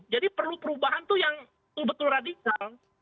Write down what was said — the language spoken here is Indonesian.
jadi perlu perubahan tuh yang betul betul radikal